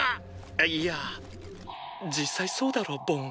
いや実際そうだろボン。